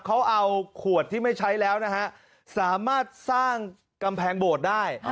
เขาเอาขวดที่ไม่ใช้แล้วนะฮะสามารถสร้างกำแพงโบสถ์ได้